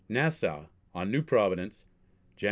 NASSAU, ON NEW PROVIDENCE, _Jan.